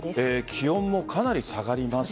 気温もかなり下がります。